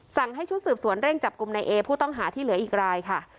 สั่งให้ชุดสืบสวนเร่งจับกลุ่มในเอผู้ต้องหาที่เหลืออีกรายค่ะ